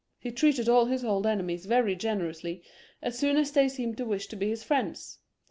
He treated all his old enemies very generously, as soon as they seemed to wish to be his friends.